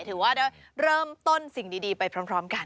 ถือว่าได้เริ่มต้นสิ่งดีไปพร้อมกัน